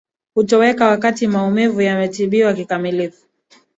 hutoweka wakati maumivu yametibiwa kikamilifu